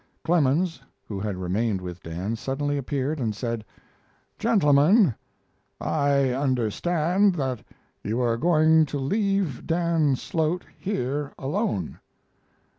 Clemens, who had remained with Dan, suddenly appeared and said: "Gentlemen, I understand that you are going to leave Dan Slote here alone.